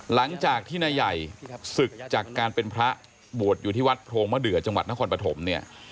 หลังจากที่นายใหญ่ศึกจากการเป็นพระบวชอยู่ที่วัดโพรงมะเดือจังหวัดนครปฐมเนี่ย